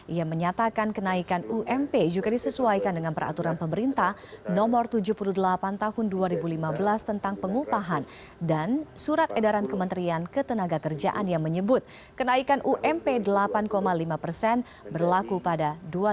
ia menyatakan kenaikan ump juga disesuaikan dengan peraturan pemerintah nomor tujuh puluh delapan tahun dua ribu lima belas tentang pengupahan dan surat edaran kementerian ketenaga kerjaan yang menyebut kenaikan ump delapan lima persen berlaku pada dua ribu delapan belas